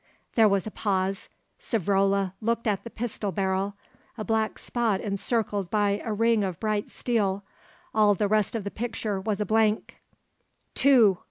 There was a pause. Savrola looked at the pistol barrel, a black spot encircled by a ring of bright steel; all the rest of the picture was a blank. "Two!"